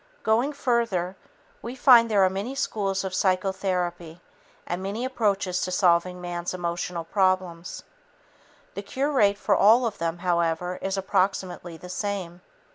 Going further, we find there are many schools of psychotherapy and many approaches to solving man's emotional problems. The cure rate for all of them, however, is approximately the same.